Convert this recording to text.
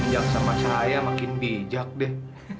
bos sejak sama cahaya makin bijak deh